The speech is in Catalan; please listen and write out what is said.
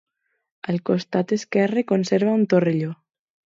Al costat esquerre conserva un torrelló.